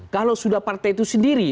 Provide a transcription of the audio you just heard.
kalau sudah partai itu sendiri